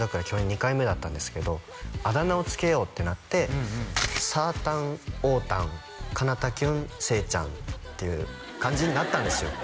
２回目だったんですけどあだ名を付けようってなってさーたんおーたんかなたきゅんせーちゃんっていう感じになったんですよ